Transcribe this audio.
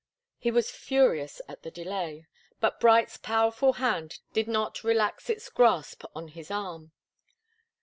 He was furious at the delay, but Bright's powerful hand did not relax its grasp on his arm.